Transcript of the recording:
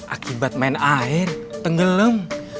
akibat main air tenggelam